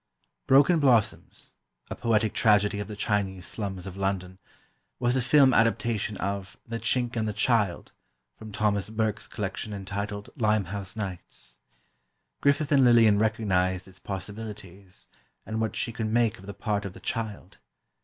"Broken Blossoms," a poetic tragedy of the Chinese slums of London, was a film adaptation of "The Chink and the Child," from Thomas Burke's collection entitled "Limehouse Nights." Griffith and Lillian recognized its possibilities, and what she could make of the part of the "Child."